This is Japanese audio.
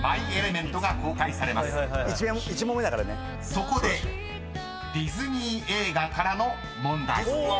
［そこでディズニー映画からの問題］